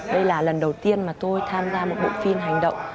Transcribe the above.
đây là lần đầu tiên mà tôi tham gia một bộ phim hành động